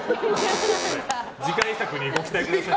次回作にご期待ください。